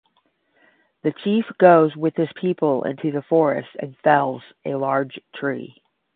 The chief goes with his people into the forest and fells a large tree.